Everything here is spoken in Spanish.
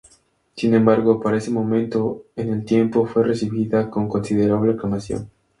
Sin embargo, para ese momento en el tiempo, fue recibida con considerable aclamación.